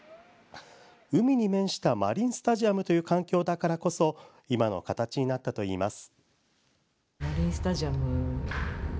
海に面したマリンスタジアムという環境だからこそ今の形になったといいます。